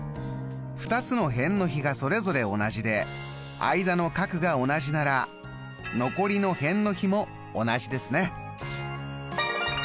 ２つの辺の比がそれぞれ同じで間の角が同じなら残りの辺の比も同じですね。